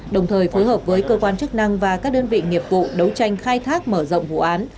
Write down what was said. đồng thời phối hợp với cơ quan chức năng và các đơn vị nghiệp vụ đấu tranh khai thác mở rộng vụ án